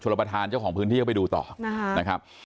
รับประทานเจ้าของพื้นที่เข้าไปดูต่อนะครับ